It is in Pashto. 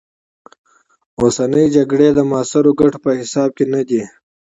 اوسنۍ جګړې د معاصرو ګټو په حساب کې نه دي.